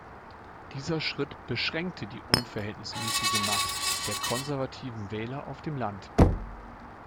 Dieser Schritt beschränkte die unverhältnismäßige Macht der konservativen Wähler auf dem Land.